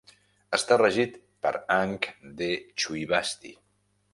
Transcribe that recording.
Està regit per Angh de Chui Basti.